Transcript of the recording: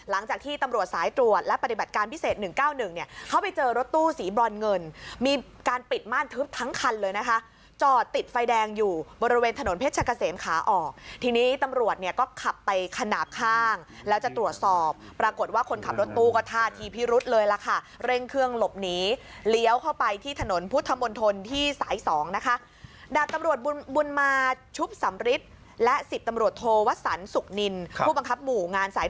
และปฏิบัติการพิเศษ๑๙๑เขาไปเจอรถตู้สีบร่อนเงินมีการปิดม่านทึบทั้งคันเลยนะคะจอดติดไฟแดงอยู่บนโรเปนถนนเพชรกเศษมขาออกทีนี้ตำรวจเนี่ยก็ขับไปขนาดข้างแล้วจะตรวจสอบปรากฏว่าคนขับรถตู้ก็ท่าทีพิรุษเลยละค่ะเร่งเครื่องหลบหนีเลี้ยวเข้าไปที่ถนนปุธธมณฑลที่สาย๒นะคะดังตำรวจบุ